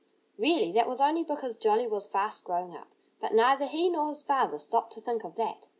Really, that was only because Jolly was fast growing up. But neither he nor his father stopped to think of that.